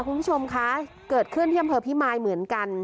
คุณผู้ชมคะเกิดขึ้นที่อำเภอพิมายเหมือนกัน